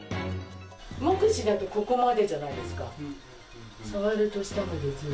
目視だとここまでじゃないですか。